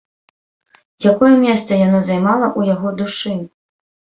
Якое месца яно займала ў яго душы?